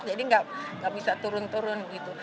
jadi gak bisa turun turun gitu